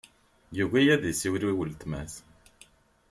Yugi ad isiwel i weltma-s.